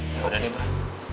ya udah deh mbah